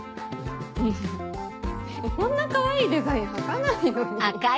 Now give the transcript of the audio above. うんこんなかわいいデザイン履かないのに。